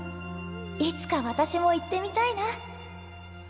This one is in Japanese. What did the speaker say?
いつか私も行ってみたいな。